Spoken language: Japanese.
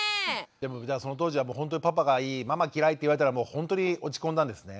でもその当時はもうほんとにパパがいいママ嫌いって言われたらもうほんとに落ち込んだんですね。